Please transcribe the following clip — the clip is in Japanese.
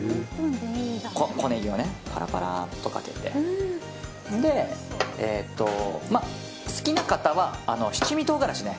小ねぎをパラパラっとかけて好きな方は七味唐辛子ね。